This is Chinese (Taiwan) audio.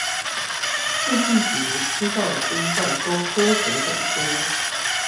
最近幾年吃到的冰棒都縮水很多